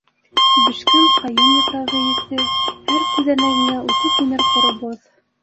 Бешкән ҡайын япрағы еҫе, һәр күҙәнәгеңә үтеп инер ҡоро боҫ...